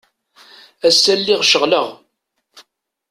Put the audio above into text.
Ass-a lliɣ ceɣleɣ.